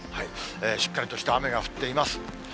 しっかりとした雨が降っています。